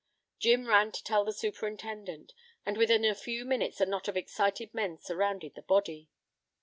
Jim ran to tell the superintendent, and within a few minutes a knot of excited men surrounded the body.